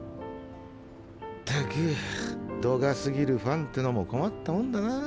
ったく度が過ぎるファンってのも困ったもんだな。